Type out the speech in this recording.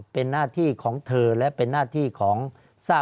ภารกิจสรรค์ภารกิจสรรค์